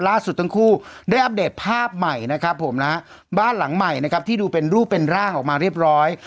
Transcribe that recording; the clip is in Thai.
ล่าสุดทั้งคู่ได้อัปเดตภาพใหม่นะครับผมนะบ้านหลังใหม่นะครับที่ดูเป็นรูปเป็นร่างออกมาเรียบร้อย